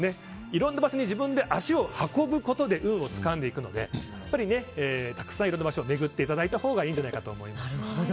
いろんな場所に足を運ぶことで運をつかんでいくのでたくさんいろんな場所を巡っていただいたほうがいいんじゃないかと思います。